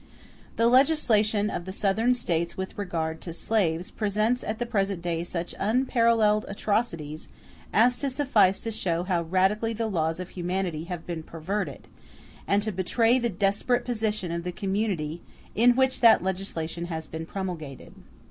The legislation of the Southern States with regard to slaves, presents at the present day such unparalleled atrocities as suffice to show how radically the laws of humanity have been perverted, and to betray the desperate position of the community in which that legislation has been promulgated.